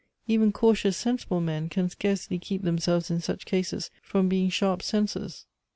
Even cautious, sensible men can scarcely keep themselves in such cases from being sharp censors.